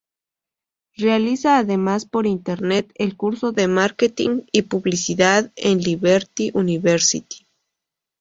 Realiza además por Internet el curso de Marketing y Publicidad en Liberty University.